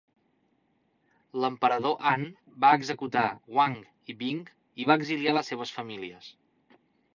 L"emperador An va executar Wang i Bing i va exiliar les seves famílies.